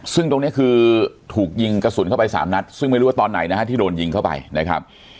ซึ่งตรงนี้คือถูกยิงกระสุนเข้าไปสามนัดซึ่งไม่รู้ว่าตอนไหนนะฮะที่โดนยิงเข้าไปนะครับ